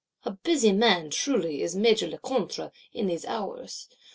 A busy man, truly, is Major Lecointre, in these hours.